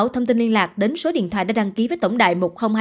thông tin liên lạc đến số điện thoại đã đăng ký với tổng đài một nghìn hai mươi hai